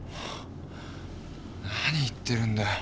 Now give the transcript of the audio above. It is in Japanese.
何言ってるんだよ。